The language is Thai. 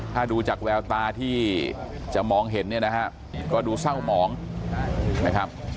ถ้าดูจากแววตาที่จะมองเห็นเรามองผิด